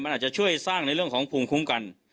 มันอาจจะช่วยสร้างในเรื่องของภูมิคุ้มกัน